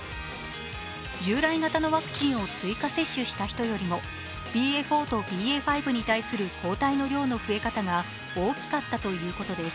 従来型のワクチンを追加接種した人よりもＢＡ．４とＢＡ．５の抗体の量の増え方が大きかったということです。